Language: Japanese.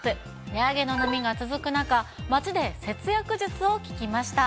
値上げの波が続く中、街で節約術を聞きました。